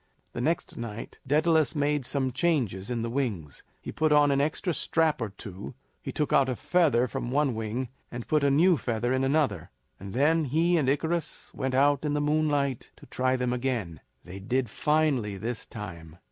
The next night Daedalus made some changes in the wings. He put on an extra strap or two; he took out a feather from one wing, and put a new feather into another; and then he and Icarus went out in the moonlight to try them again. They did finely this time.